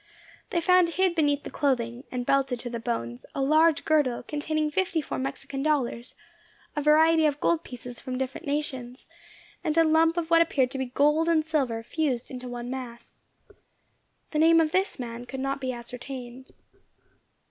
They found hid beneath the clothing, and belted to the bones, a large girdle, containing fifty four Mexican dollars, a variety of gold pieces from different nations, and a lump of what appeared to be gold and silver fused into one mass. The name of this man could not be ascertained.